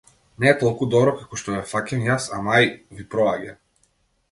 Не толку добро како што ве фаќам јас, ама ај, ви проаѓа.